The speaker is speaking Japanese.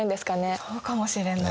そうかもしれない。ね。